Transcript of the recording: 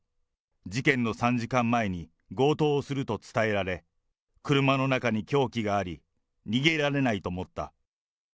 事件の３時間前に強盗をすると伝えられ、車の中に凶器があり、逃げられないと思った。